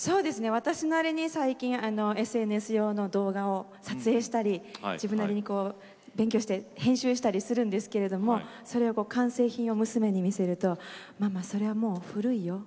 私なりに最近ＳＮＳ用の動画を撮影したり自分なりに勉強して編集したりするんですけどもそれを完成品を娘に見せるとママ、それはもう古いよ。